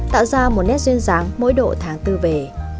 tạo ra một nét duyên dáng mỗi độ tháng tư về